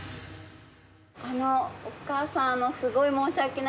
お母さんあのすごい申し訳ない。